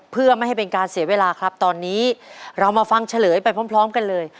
เพื่อไม่ให้เป็นการเสียเวลาครับตอนนี้เรามาฟังเฉลยไปพร้อมกันเลย